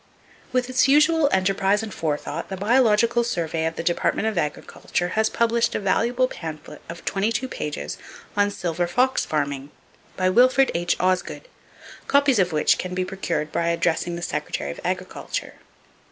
With its usual enterprise and forethought, the Biological Survey of the Department of Agriculture has published a valuable pamphlet of 22 pages on "Silver Fox Farming," by Wilfred H. Osgood, copies of which can be procured by addressing the Secretary of Agriculture.